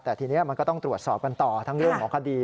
แต่ทีนี้มันก็ต้องตรวจสอบกันต่อทั้งเรื่องของคดี